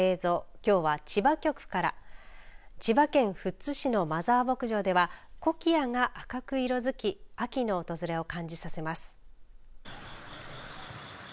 きょうは千葉局から千葉県富津市のマザー牧場ではコキアが赤く色づき秋の訪れを感じさせます。